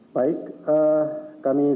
baik kami siapkan